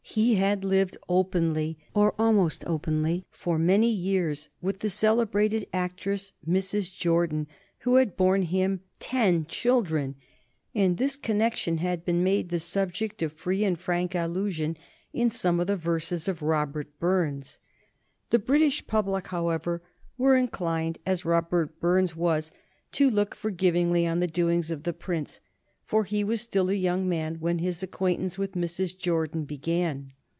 He had lived openly, or almost openly, for many years with the celebrated actress Mrs. Jordan, who had borne him ten children, and this connection had been made the subject of free and frank allusion in some of the verses of Robert Burns. The British public, however, were inclined, as Robert Burns was, to look forgivingly on the doings of the Prince, for he was still a young man when his acquaintance with Mrs. Jordan began.